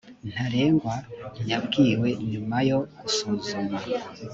ntarengwa yabwiwe nyuma yo gusuzuma